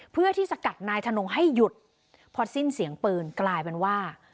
เพื่อที่สกัดนายทนงให้หยุดพอสิ้นเสียงปืนกลายเป็นว่า